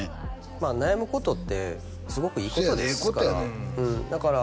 まあ悩むことってすごくいいことですからだから．